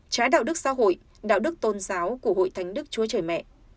trái đạo đức xã hội đạo đức tôn giáo của hội thánh đức chúa trời mẹ